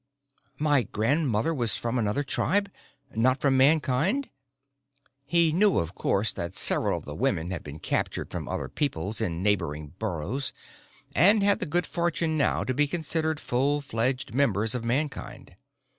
"My grandmother was from another tribe? Not from Mankind?" He knew, of course, that several of the women had been captured from other peoples in neighboring burrows and had the good fortune now to be considered full fledged members of Mankind.